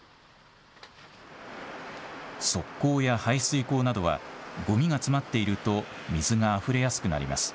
側溝や排水溝などは、ごみが詰まっていると水があふれやすくなります。